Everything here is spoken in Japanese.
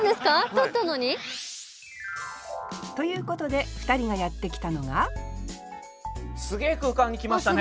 とったのに？ということで２人がやって来たのがすげえ空間に来ましたね。